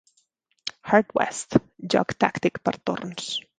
"Hard West", joc tàctic per torns.